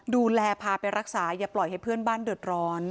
ดูแลพาไปรักษาอย่าปล่อยให้เพื่อนบ้านเดือดร้อน